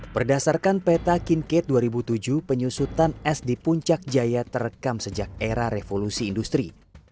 berdasarkan peta kink dua ribu tujuh penyusutan es di puncak jaya terekam sejak era revolusi industri